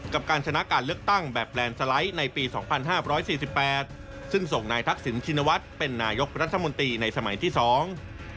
กับการชนะการเลือกตั้งแบบแลนด์สไลด์ในปีสองพันห้าร้อยสี่สิบแปดซึ่งส่งนายทักษิณชินวัฒน์เป็นนายกรัฐมนตรีในสมัยที่สอง